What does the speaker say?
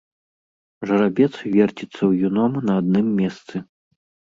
Жарабец верціцца ўюном на адным месцы.